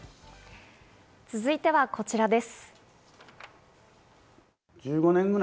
続いてはこちらです。